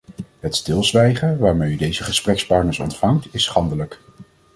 Het stilzwijgen waarmee u deze gesprekspartners ontvangt, is schandelijk.